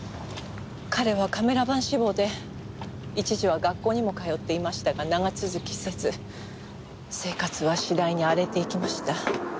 彼はカメラマン志望で一時は学校にも通っていましたが長続きせず生活は次第に荒れていきました。